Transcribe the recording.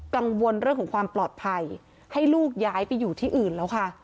กังวลเรื่องของความปลอดภัยให้ลูกย้ายไปอยู่ที่อื่นแล้วค่ะ